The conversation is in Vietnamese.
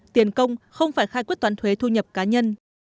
tiền công không phải khai quyết toán thuế thu nhập cá nhân